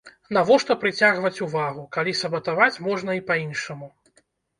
Навошта прыцягваць увагу, калі сабатаваць можна і па іншаму.